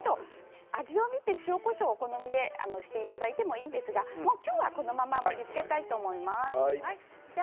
味を見て塩、こしょうをしていただいてもいいんですが今日はこのまま盛りつけていきます。